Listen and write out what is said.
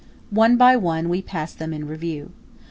One by one, we pass them in review.